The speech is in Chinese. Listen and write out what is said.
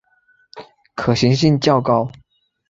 可行性较高